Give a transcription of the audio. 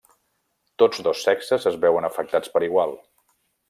Tots dos sexes es veuen afectats per igual.